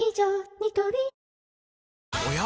ニトリおや？